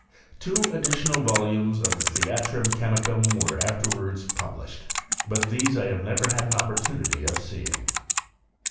Two additional volumes of the Tlieatrum Chemicnm were afterwards published ; but these I have never had an opportunity of seeing.